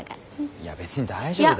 いや別に大丈夫だよ。